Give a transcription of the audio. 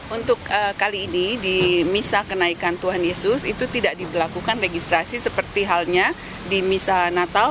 untuk kali ini di misa kenaikan tuhan yesus itu tidak diberlakukan registrasi seperti halnya di misa natal